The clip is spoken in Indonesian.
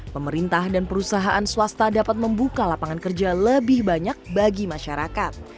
pemerintah dan perusahaan swasta dapat membuka lapangan kerja lebih banyak bagi masyarakat